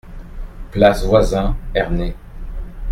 Place Voisin, Ernée